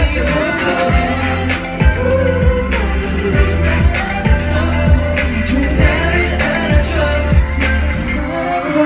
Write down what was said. เยี่ยมมาก